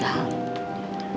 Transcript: dia bisa meninggal